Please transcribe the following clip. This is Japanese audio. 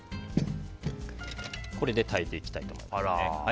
これで炊いていきたいと思います。